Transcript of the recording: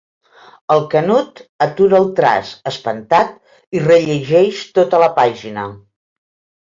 El Canut atura el traç, espantat, i rellegeix tota la pàgina.